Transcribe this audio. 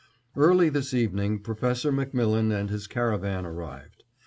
Early this evening Professor MacMillan and his caravan arrived.